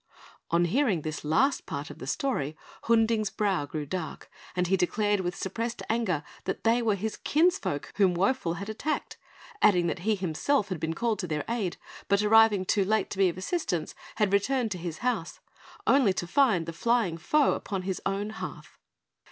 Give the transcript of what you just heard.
On hearing this last part of the story, Hunding's brow grew dark; and he declared with suppressed anger that they were his kinsfolk whom Woful had attacked, adding that he himself had been called to their aid, but arriving too late to be of assistance, had returned to his house, only to find the flying foe upon his own hearth.